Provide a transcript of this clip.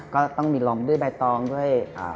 ก็ต้องมีลมด้วยใบตองด้วย